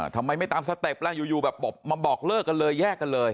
ทำไมไม่ตามสเต็ปล่ะอยู่แบบมาบอกเลิกกันเลยแยกกันเลย